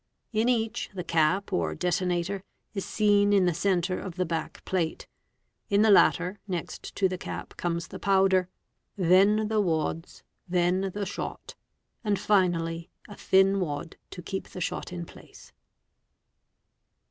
In each the cap or detonater is seen in the centre of he back plate. In the latter, next to the cap comes the powder, then 1e wads, then the shot, and finally a thin wad to keep the shot in place.